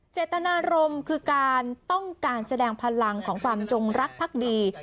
เจตนารมณ์คือการต้องการแสดงพลังของความจงรักพักดี